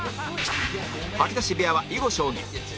吐き出し部屋は囲碁将棋